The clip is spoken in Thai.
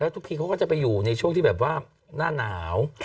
ทุกทีเขาก็จะไปอยู่ในช่วงที่แบบว่าหน้าหนาว